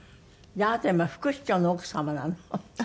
じゃああなた今副市長の奥様なの？